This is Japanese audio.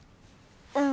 うん。